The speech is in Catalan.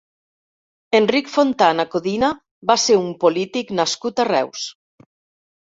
Enric Fontana Codina va ser un polític nascut a Reus.